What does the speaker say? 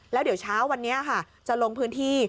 แล้วเดี๋ยวเช้าวันนี้ค่ะจะลงพื้นที่